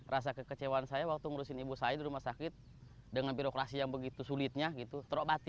rasa kekecewaan saya waktu menguruskan ibu saya di rumah sakit dengan birokrasi yang begitu sulitnya terobati